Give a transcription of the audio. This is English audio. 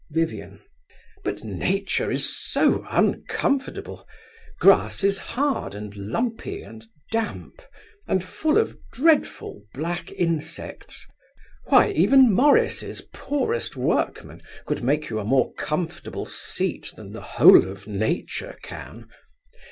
VIVIAN. But Nature is so uncomfortable. Grass is hard and lumpy and damp, and full of dreadful black insects. Why, even Morris's poorest workman could make you a more comfortable seat than the whole of Nature can.